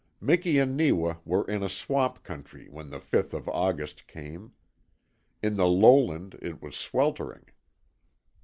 Miki and Neewa were in a swamp country when the fifth of August came. In the lowland it was sweltering.